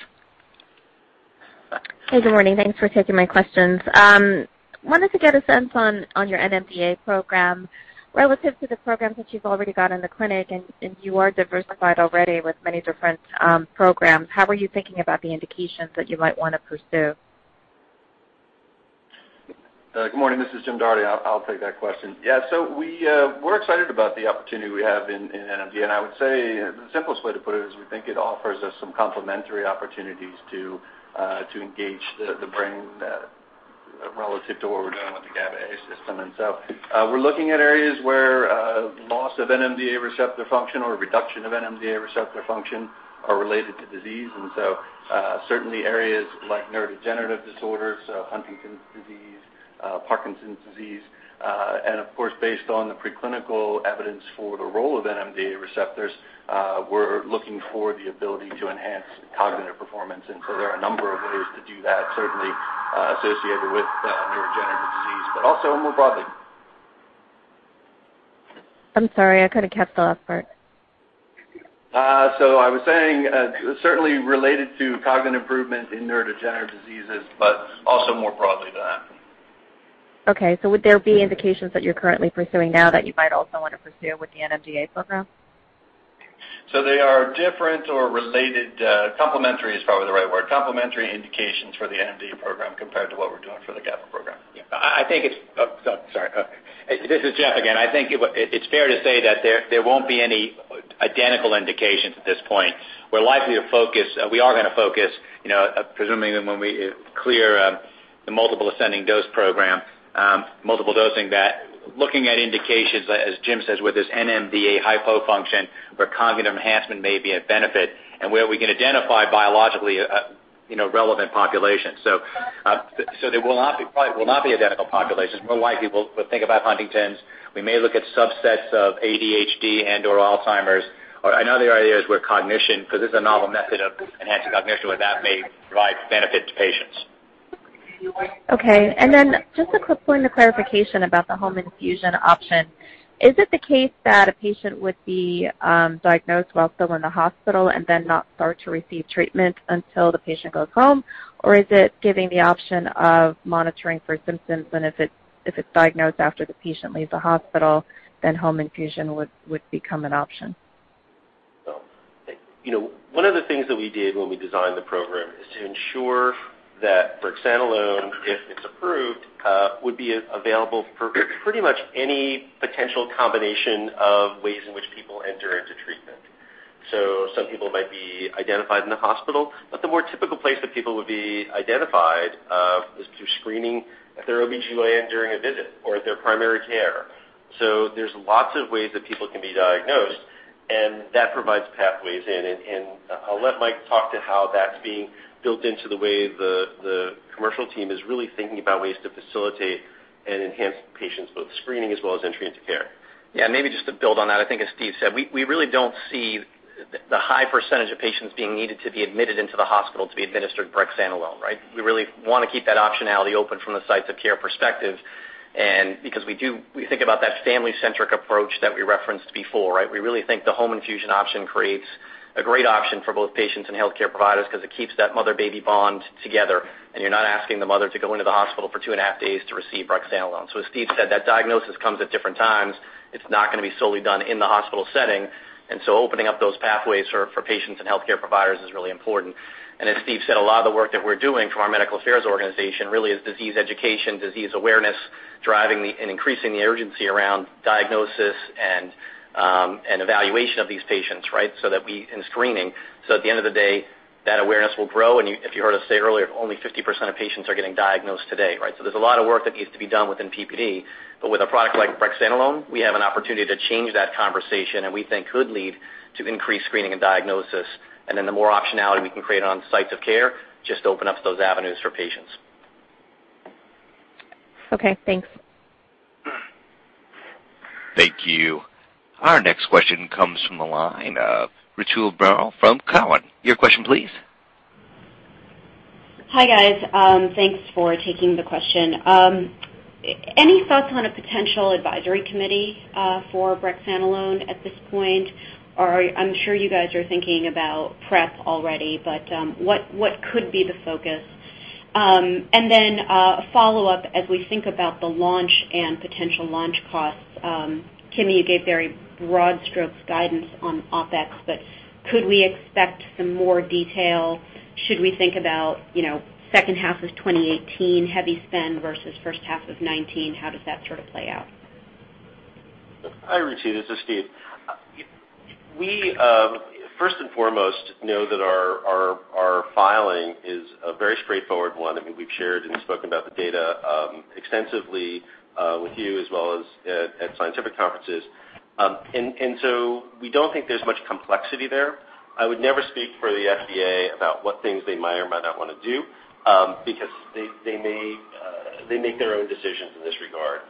Hey, good morning. Thanks for taking my questions. Wanted to get a sense on your NMDA program relative to the programs that you've already got in the clinic, you are diversified already with many different programs. How are you thinking about the indications that you might want to pursue? Good morning. This is Jim Doherty. I'll take that question. Yeah. We're excited about the opportunity we have in NMDA. I would say the simplest way to put it is we think it offers us some complementary opportunities to engage the brain relative to what we're doing with the GABA A system. We're looking at areas where loss of NMDA receptor function or reduction of NMDA receptor function are related to disease. Certainly areas like neurodegenerative disorders, Huntington's disease, Parkinson's disease. Of course, based on the preclinical evidence for the role of NMDA receptors, we're looking for the ability to enhance cognitive performance. There are a number of ways to do that, certainly, associated with neurodegenerative disease, but also more broadly. I'm sorry, I couldn't catch the last part. I was saying, certainly related to cognitive improvement in neurodegenerative diseases, but also more broadly than that. Okay. Would there be indications that you're currently pursuing now that you might also want to pursue with the NMDA program? They are different or related. Complementary is probably the right word. Complementary indications for the NMDA program compared to what we're doing for the GABA program. Yeah. This is Jeff again. I think it's fair to say that there won't be any identical indications at this point. We are going to focus, presuming that when we clear the multiple ascending dose program, looking at indications, as Jim says, with this NMDA hypofunction, where cognitive enhancement may be a benefit, and where we can identify biologically relevant populations. They will not be identical populations. More likely, we'll think about Huntington's. We may look at subsets of ADHD and/or Alzheimer's. Another idea is where cognition, because this is a novel method of enhancing cognition, where that may provide benefit to patients. Okay. Just a quick point of clarification about the home infusion option. Is it the case that a patient would be diagnosed while still in the hospital and then not start to receive treatment until the patient goes home? Is it giving the option of monitoring for symptoms, and if it's diagnosed after the patient leaves the hospital, then home infusion would become an option? One of the things that we did when we designed the program is to ensure that brexanolone, if it's approved, would be available for pretty much any potential combination of ways in which people enter into treatment. Some people might be identified in the hospital, but the more typical place that people would be identified is through screening at their OB-GYN during a visit or their primary care. There's lots of ways that people can be diagnosed, and that provides pathways in. I'll let Mike talk to how that's being built into the way the commercial team is really thinking about ways to facilitate and enhance patients, both screening as well as entry into care. Yeah, maybe just to build on that. I think as Steve said, we really don't see the high percentage of patients being needed to be admitted into the hospital to be administered brexanolone. We really want to keep that optionality open from the sites of care perspective. Because we think about that family-centric approach that we referenced before. We really think the home infusion option creates a great option for both patients and healthcare providers because it keeps that mother-baby bond together, and you're not asking the mother to go into the hospital for two and a half days to receive brexanolone. As Steve said, that diagnosis comes at different times. It's not going to be solely done in the hospital setting. Opening up those pathways for patients and healthcare providers is really important. As Steve said, a lot of the work that we're doing for our medical affairs organization really is disease education, disease awareness, driving and increasing the urgency around diagnosis and evaluation of these patients, and screening. At the end of the day, that awareness will grow. If you heard us say earlier, only 50% of patients are getting diagnosed today. There's a lot of work that needs to be done within PPD. With a product like brexanolone, we have an opportunity to change that conversation, and we think could lead to increased screening and diagnosis. The more optionality we can create on sites of care, just open up those avenues for patients. Okay, thanks. Thank you. Our next question comes from the line of Ritu Baral from Cowen. Your question, please. Hi, guys. Thanks for taking the question. Any thoughts on a potential advisory committee for brexanolone at this point? I'm sure you guys are thinking about prep already, but what could be the focus? A follow-up as we think about the launch and potential launch costs. Kim, you gave very broad strokes guidance on OpEx, but could we expect some more detail? Should we think about second half of 2018 heavy spend versus first half of 2019? How does that sort of play out? Hi, Ritu. This is Steve. We, first and foremost, know that our filing is a very straightforward one. I mean, we've shared and spoken about the data extensively with you as well as at scientific conferences. So we don't think there's much complexity there. I would never speak for the FDA about what things they might or might not want to do, because they make their own decisions in this regard.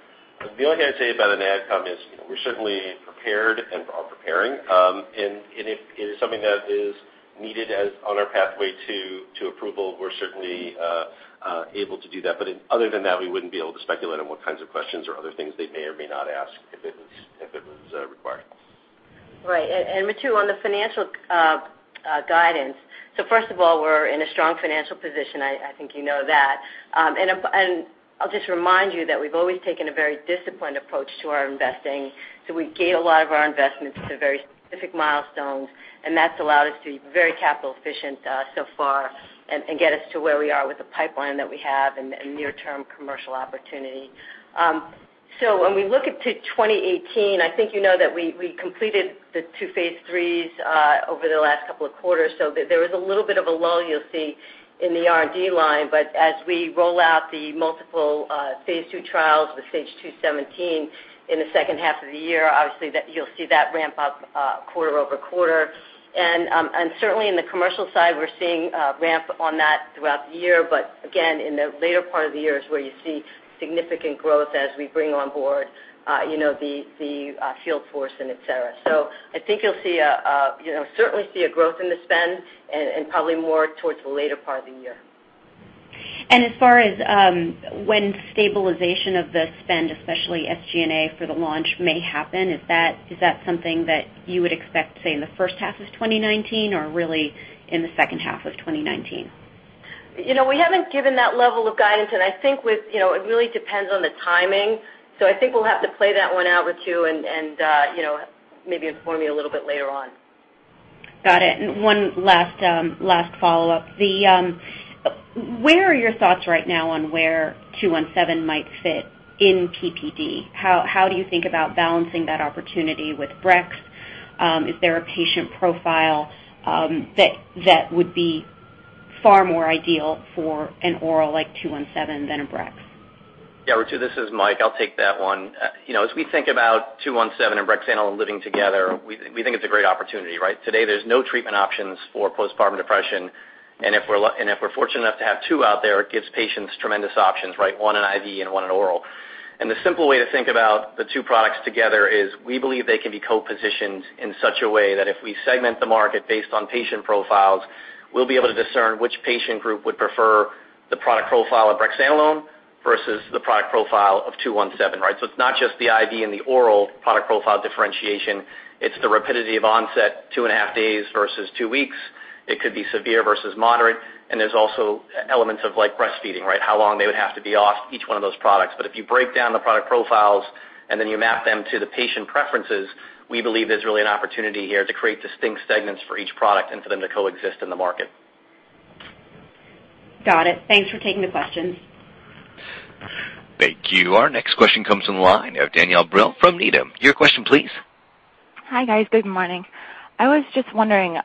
The only thing I'd say about an AdCom is we're certainly prepared and are preparing. If it is something that is needed as on our pathway to approval, we're certainly able to do that. Other than that, we wouldn't be able to speculate on what kinds of questions or other things they may or may not ask if it was required. Right. Ritu, on the financial guidance. First of all, we're in a strong financial position. I think you know that. I'll just remind you that we've always taken a very disciplined approach to our investing. We gate a lot of our investments to very specific milestones, and that's allowed us to be very capital efficient so far. Get us to where we are with the pipeline that we have and near-term commercial opportunity. When we look to 2018, I think you know that we completed the two phase III over the last couple of quarters, so there is a little bit of a lull you'll see in the R&D line. As we roll out the multiple phase II trials with SAGE-217 in the second half of the year, obviously, you'll see that ramp up quarter-over-quarter. Certainly in the commercial side, we're seeing a ramp on that throughout the year. Again, in the later part of the year is where you see significant growth as we bring on board the field force and et cetera. I think you'll certainly see a growth in the spend and probably more towards the later part of the year. As far as when stabilization of the spend, especially SG&A for the launch may happen, is that something that you would expect, say, in the first half of 2019 or really in the second half of 2019? We haven't given that level of guidance, and I think it really depends on the timing. I think we'll have to play that one out with you and maybe inform you a little bit later on. Got it. One last follow-up. Where are your thoughts right now on where 217 might fit in PPD? How do you think about balancing that opportunity with brex? Is there a patient profile that would be far more ideal for an oral like 217 than a brex? Yeah, Ritu, this is Mike. I'll take that one. As we think about 217 and brexanolone living together, we think it's a great opportunity, right? Today, there's no treatment options for postpartum depression. If we're fortunate enough to have two out there, it gives patients tremendous options, right? One in IV and one in oral. The simple way to think about the two products together is we believe they can be co-positioned in such a way that if we segment the market based on patient profiles, we'll be able to discern which patient group would prefer the product profile of brexanolone versus the product profile of 217. It's not just the IV and the oral product profile differentiation, it's the rapidity of onset, two and a half days versus two weeks. It could be severe versus moderate. There's also elements of breastfeeding, right? How long they would have to be off each one of those products. If you break down the product profiles and then you map them to the patient preferences, we believe there's really an opportunity here to create distinct segments for each product and for them to coexist in the market. Got it. Thanks for taking the questions. Thank you. Our next question comes from the line of Danielle Brill from Needham. Your question please. Hi, guys. Good morning. I was just wondering,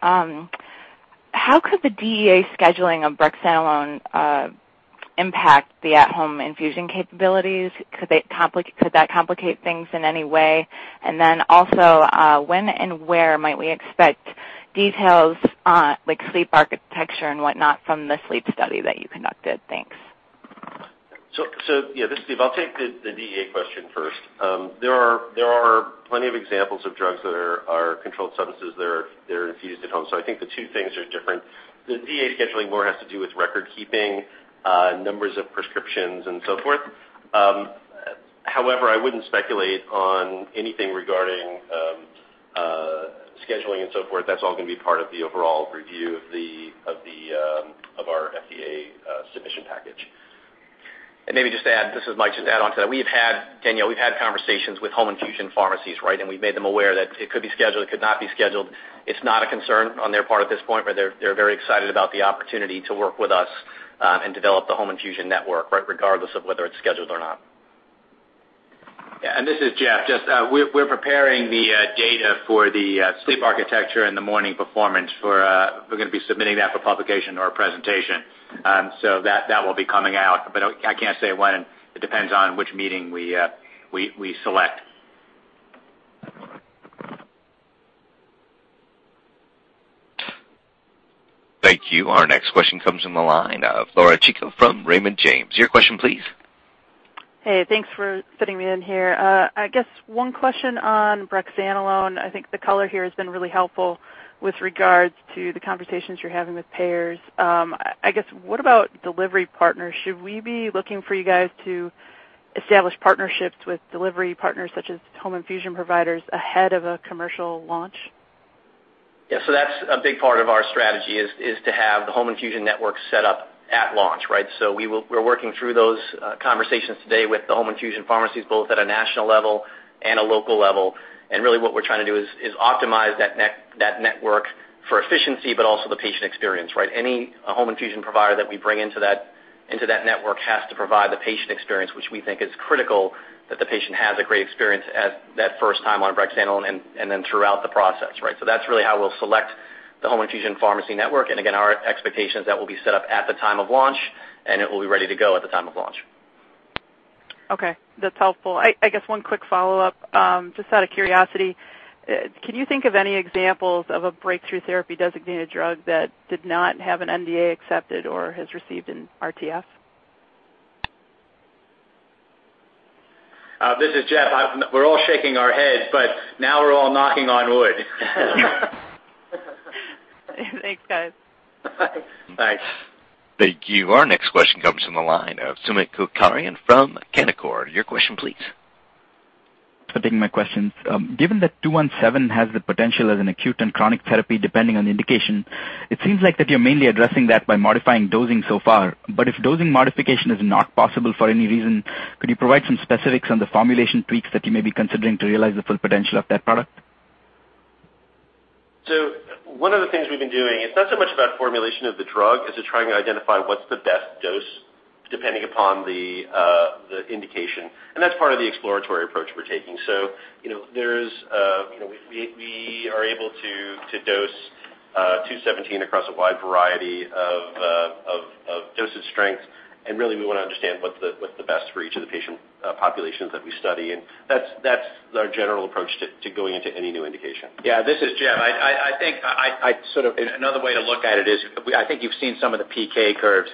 how could the DEA scheduling of brexanolone impact the at-home infusion capabilities? Could that complicate things in any way? Also, when and where might we expect details like sleep architecture and whatnot from the sleep study that you conducted? Thanks. Yeah, this is Steve. I'll take the DEA question first. There are plenty of examples of drugs that are controlled substances that are infused at home. I think the two things are different. The DEA scheduling more has to do with record keeping, numbers of prescriptions, and so forth. However, I wouldn't speculate on anything regarding scheduling and so forth. That's all going to be part of the overall review of our FDA submission package. Maybe just to add, this is Mike, just to add onto that. Danielle, we've had conversations with home infusion pharmacies, right? We've made them aware that it could be scheduled, it could not be scheduled. It's not a concern on their part at this point, they're very excited about the opportunity to work with us and develop the home infusion network, right? Regardless of whether it's scheduled or not. Yeah. This is Jeff. Just we're preparing the data for the sleep architecture and the morning performance. We're going to be submitting that for publication or a presentation. That will be coming out, I can't say when. It depends on which meeting we select. Thank you. Our next question comes from the line of Laura Chico from Raymond James. Your question please. Hey, thanks for fitting me in here. I guess one question on brexanolone. I think the color here has been really helpful with regards to the conversations you're having with payers. I guess what about delivery partners? Should we be looking for you guys to establish partnerships with delivery partners such as home infusion providers ahead of a commercial launch? That's a big part of our strategy is to have the home infusion network set up at launch, right? We're working through those conversations today with the home infusion pharmacies, both at a national level and a local level. Really what we're trying to do is optimize that network for efficiency, but also the patient experience, right? Any home infusion provider that we bring into that network has to provide the patient experience, which we think is critical that the patient has a great experience at that first time on brexanolone and then throughout the process, right? That's really how we'll select the home infusion pharmacy network. Again, our expectation is that will be set up at the time of launch, and it will be ready to go at the time of launch. Okay, that's helpful. I guess one quick follow-up. Just out of curiosity, can you think of any examples of a breakthrough therapy designated drug that did not have an NDA accepted or has received an RTF? This is Jeff. We're all shaking our heads, now we're all knocking on wood. Thanks, guys. Bye. Thanks. Thank you. Our next question comes from the line of Sumant Kulkarni from Canaccord. Your question please. Thanks for taking my questions. Given that 217 has the potential as an acute and chronic therapy depending on the indication, it seems like that you're mainly addressing that by modifying dosing so far. If dosing modification is not possible for any reason, could you provide some specifics on the formulation tweaks that you may be considering to realize the full potential of that product? One of the things we've been doing, it's not so much about formulation of the drug as to trying to identify what's the best dose depending upon the indication. That's part of the exploratory approach we're taking. We are able to dose 217 across a wide variety of dosage strengths, and really, we want to understand what's the best for each of the patient populations that we study. That's our general approach to going into any new indication. This is Jeff. I think another way to look at it is, I think you've seen some of the PK curves.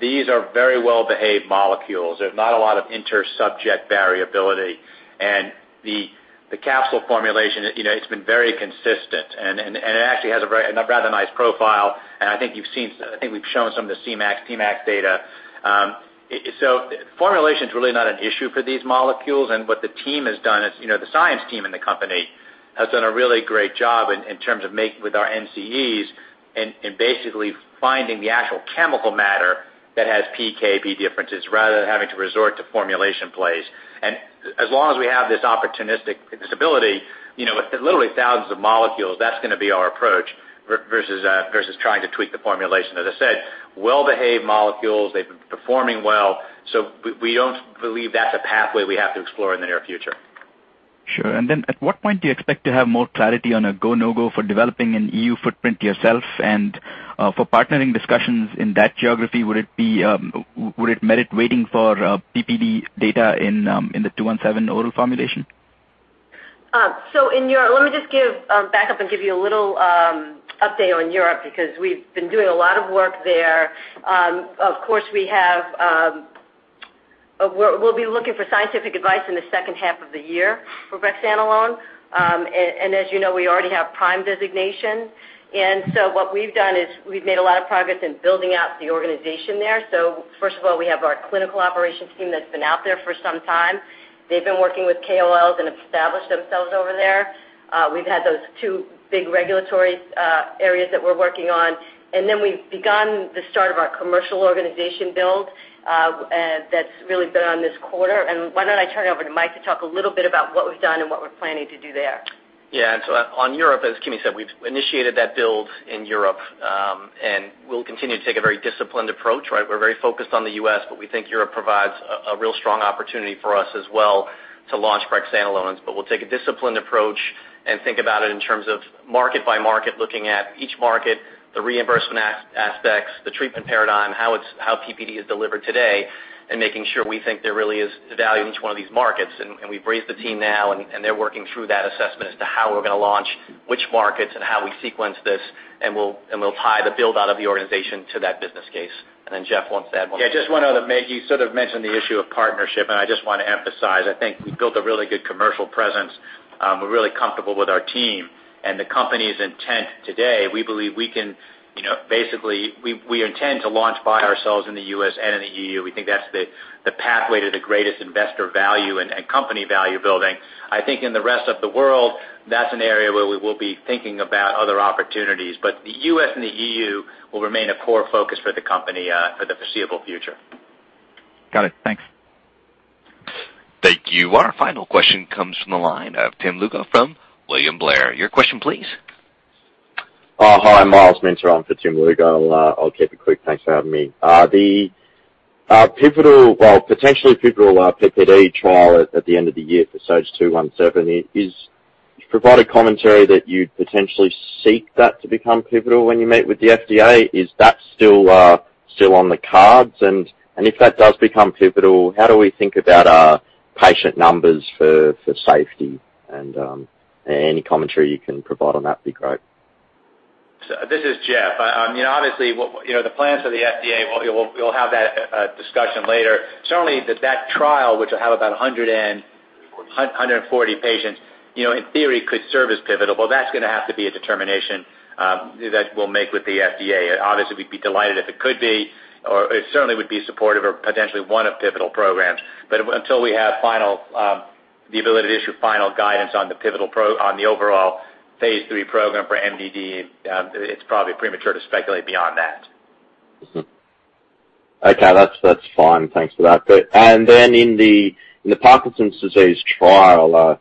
These are very well-behaved molecules. There's not a lot of inter-subject variability. The capsule formulation, it's been very consistent. It actually has a rather nice profile, and I think we've shown some of the Cmax, Tmax data. Formulation's really not an issue for these molecules. What the team has done is, the science team in the company has done a really great job in terms of with our NCEs and basically finding the actual chemical matter that has PK differences rather than having to resort to formulation plays. As long as we have this opportunistic stability, literally thousands of molecules, that's going to be our approach versus trying to tweak the formulation. As I said, well-behaved molecules, they've been performing well. We don't believe that's a pathway we have to explore in the near future. Sure. At what point do you expect to have more clarity on a go, no-go for developing an EU footprint yourself and for partnering discussions in that geography? Would it merit waiting for PPD data in the 217 oral formulation? Let me just back up and give you a little update on Europe, because we've been doing a lot of work there. Of course, we'll be looking for scientific advice in the second half of the year for brexanolone. As you know, we already have PRIME designation. What we've done is we've made a lot of progress in building out the organization there. First of all, we have our clinical operations team that's been out there for some time. They've been working with KOLs and established themselves over there. We've had those two big regulatory areas that we're working on. We've begun the start of our commercial organization build that's really been on this quarter. Why don't I turn it over to Mike to talk a little bit about what we've done and what we're planning to do there? Yeah. On Europe, as Kimi said, we've initiated that build in Europe. We'll continue to take a very disciplined approach, right? We're very focused on the U.S., but we think Europe provides a real strong opportunity for us as well to launch brexanolone. We'll take a disciplined approach and think about it in terms of market by market, looking at each market, the reimbursement aspects, the treatment paradigm, how PPD is delivered today, and making sure we think there really is value in each one of these markets. We've briefed the team now, and they're working through that assessment as to how we're going to launch which markets and how we sequence this, and we'll tie the build-out of the organization to that business case. Jeff wants to add more. Yeah, just one other, Mike, you sort of mentioned the issue of partnership, I just want to emphasize, I think we've built a really good commercial presence. We're really comfortable with our team and the company's intent today. Basically, we intend to launch by ourselves in the U.S. and in the EU. We think that's the pathway to the greatest investor value and company value building. I think in the rest of the world, that's an area where we will be thinking about other opportunities. The U.S. and the EU will remain a core focus for the company for the foreseeable future. Got it. Thanks. Thank you. Our final question comes from the line of Tim Lugo from William Blair. Your question, please. Hi, Myles Minter on for Tim Lugo. I'll keep it quick. Thanks for having me. The potentially pivotal PPD trial at the end of the year for SAGE-217, you provided commentary that you'd potentially seek that to become pivotal when you meet with the FDA. Is that still on the cards? If that does become pivotal, how do we think about patient numbers for safety? Any commentary you can provide on that would be great. This is Jeff. Obviously, the plans of the FDA, we'll have that discussion later. Certainly, that trial, which will have about 140 patients, in theory, could serve as pivotal. That's going to have to be a determination that we'll make with the FDA. Obviously, we'd be delighted if it could be, or it certainly would be supportive or potentially one of pivotal programs. Until we have the ability to issue final guidance on the overall phase III program for MDD, it's probably premature to speculate beyond that. Okay. That's fine. Thanks for that. In the Parkinson's disease trial, it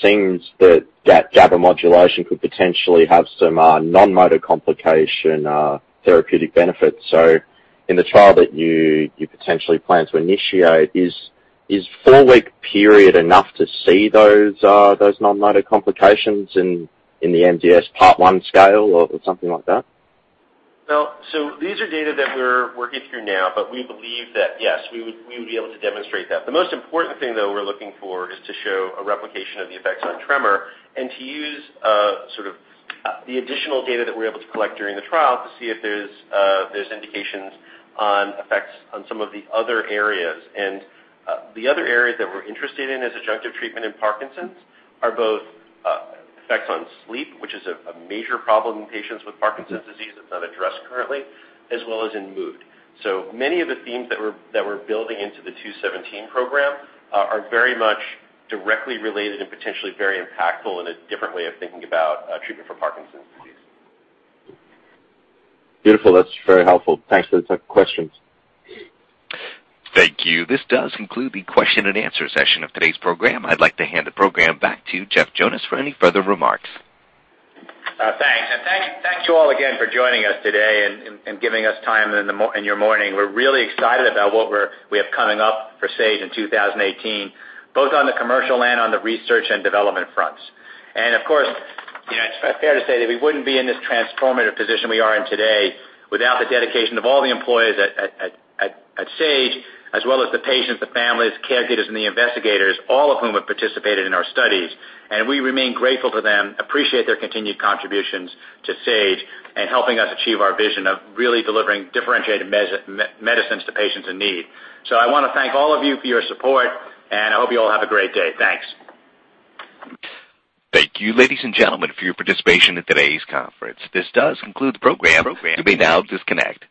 seems that GABA modulation could potentially have some non-motor complication therapeutic benefits. In the trial that you potentially plan to initiate, is four-week period enough to see those non-motor complications in the MDS part one scale or something like that? These are data that we're working through now, but we believe that, yes, we would be able to demonstrate that. The most important thing, though, we're looking for is to show a replication of the effects on tremor and to use sort of the additional data that we're able to collect during the trial to see if there's indications on effects on some of the other areas. The other areas that we're interested in as adjunctive treatment in Parkinson's are both effects on sleep, which is a major problem in patients with Parkinson's disease that's not addressed currently, as well as in mood. Many of the themes that we're building into the 217 program are very much directly related and potentially very impactful in a different way of thinking about treatment for Parkinson's disease. Beautiful. That's very helpful. Thanks for those questions. Thank you. This does conclude the question and answer session of today's program. I'd like to hand the program back to Jeff Jonas for any further remarks. Thanks. Thank you all again for joining us today and giving us time in your morning. We're really excited about what we have coming up for Sage in 2018, both on the commercial and on the research and development fronts. Of course, it's fair to say that we wouldn't be in this transformative position we are in today without the dedication of all the employees at Sage as well as the patients, the families, caregivers, and the investigators, all of whom have participated in our studies. We remain grateful to them, appreciate their continued contributions to Sage and helping us achieve our vision of really delivering differentiated medicines to patients in need. I want to thank all of you for your support, and I hope you all have a great day. Thanks. Thank you, ladies and gentlemen, for your participation in today's conference. This does conclude the program. You may now disconnect.